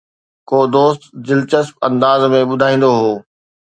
ڪو دوست دلچسپ انداز ۾ ٻڌائيندو هو